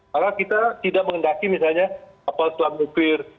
karena kita tidak mengendaki misalnya kapal selam nuklir